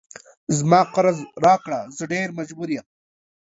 زما قرض راکړه زه ډیر مجبور یم